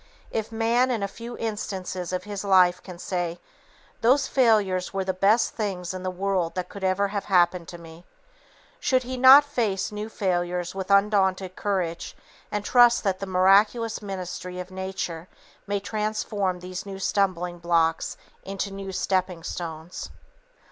If man, in a few instances of his life can say, "Those failures were the best things in the world that could have happened to me," should he not face new failures with undaunted courage and trust that the miraculous ministry of Nature may transform these new stumbling blocks into new stepping stones?